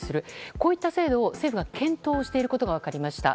こういった制度を政府が検討していることが分かりました。